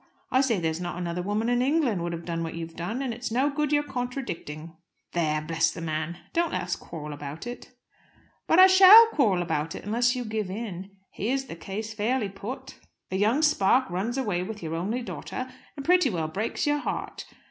I say there's not another woman in England would have done what you've done, and it's no good your contradicting." "There, bless the man! Don't let us quarrel about it." "But I shall quarrel about it, unless you give in. Here's the case fairly put: A young spark runs away with your only daughter, and pretty well breaks your heart.